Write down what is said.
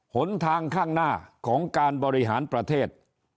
หนทางข้างหน้าของการบริหารประเทศ